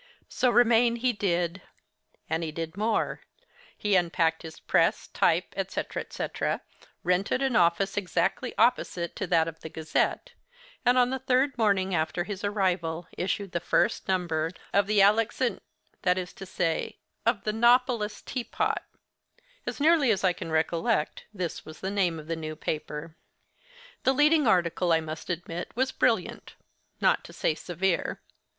So remain he did; and he did more; he unpacked his press, type, etc., etc., rented an office exactly opposite to that of the 'Gazette,' and, on the third morning after his arrival, issued the first number of 'The Alexan'—that is to say, of 'The Nopolis Tea Pot'—as nearly as I can recollect, this was the name of the new paper. The leading article, I must admit, was brilliant—not to say severe.